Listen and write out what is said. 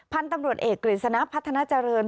พันธุ์ตำรวจเอกหรือสนับพัฒนาเจริญ